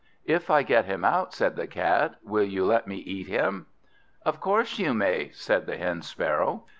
"If I get him out," said the Cat, "will you let me eat him?" "Of course you may," said the Hen sparrow.